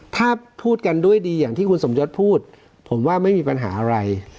ถ้าพูดกันด้วยดีอย่างที่คุณสมยศพูดผมว่าไม่มีปัญหาอะไร